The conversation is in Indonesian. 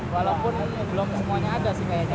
walaupun belum semuanya ada sih kayaknya